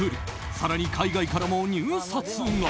更に、海外からも入札が。